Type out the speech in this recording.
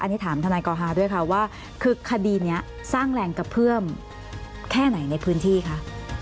อันนี้ถามทนายกอฮาด้วยค่ะว่าคือคดีนี้สร้างแรงกระเพื่อมแค่ไหนในพื้นที่คะ